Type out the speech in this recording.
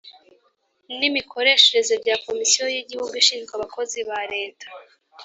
N imikorere bya komisiyo y igihugu ishinzwe abakozi ba leta